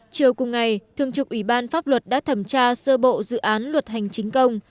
chiều cùng ngày thường trực ủy ban pháp luật đã thẩm tra sơ bộ dự án luật hành chính công